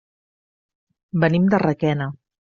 Venim de Requena.